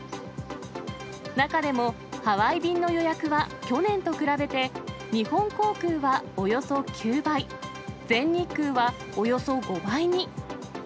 中でも、ハワイ便の予約は去年と比べて、日本航空はおよそ９倍、全日空はおよそ５倍に。